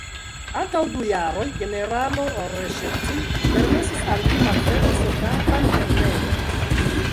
Antaŭ du jaroj generalo Reŝetin permesis al mi malfermi soldatan lernejon.